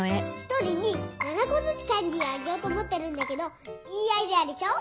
１人に７こずつキャンディーをあげようと思ってるんだけどいいアイデアでしょ。